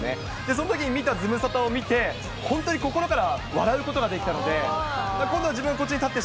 そのときに見たズムサタを見て、本当に心から笑うことができたので、今度は自分がこっちに立って、